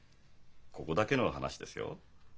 ここだけの話ですよ。